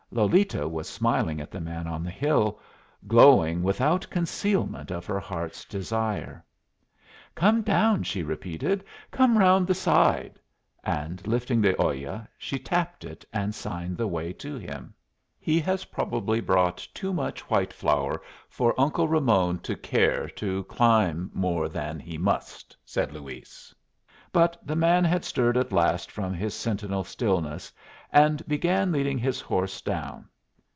Lolita was smiling at the man on the hill, glowing without concealment of her heart's desire. "Come down!" she repeated. "Come round the side." And, lifting the olla, she tapped it, and signed the way to him. "He has probably brought too much white flour for Uncle Ramon to care to climb more than he must," said Luis. But the man had stirred at last from his sentinel stillness, and began leading his horse down.